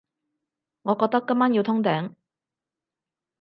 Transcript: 我覺得今晚要通頂